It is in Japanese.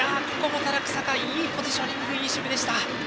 日下はいいポジショニングいい守備でした。